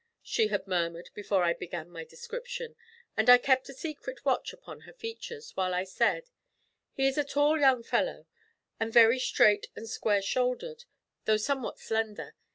she had murmured before I began my description, and I kept a secret watch upon her features, while I said: 'He is a tall young fellow, and very straight and square shouldered, though somewhat slender.